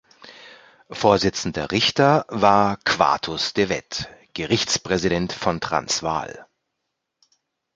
Vorsitzender Richter war Quartus de Wet, Gerichtspräsident von Transvaal.